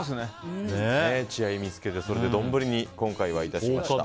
血合いを見つけて丼に今回はいたしました。